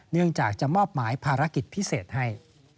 เนื่องจากจะมอบหมายภารกิจพิเศษให้